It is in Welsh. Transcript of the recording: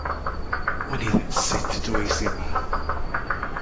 Wn i ddim sut y dois i yma.